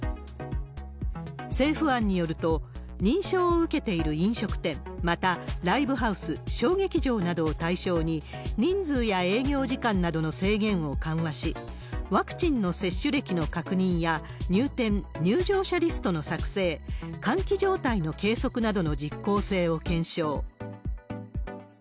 政府案によると、認証を受けている飲食店、また、ライブハウス、小劇場などを対象に、人数や営業時間などの制限を緩和し、ワクチンの接種歴の確認や、入店、入場者リストの作成、換気状態の計測などの実効性を検証。